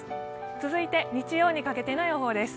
続いて日曜にかけての予報です。